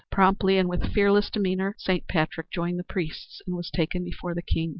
Promptly and with fearless demeanor, Saint Patrick joined the priests and was taken before the King.